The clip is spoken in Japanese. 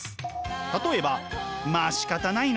例えばまあしかたないな。